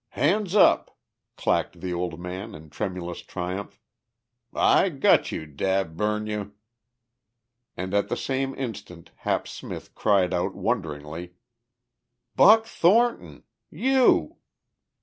"Hands up!" clacked the old man in tremulous triumph. "I got you, dad burn you!" And at the same instant Hap Smith cried out wonderingly: "Buck Thornton! You!"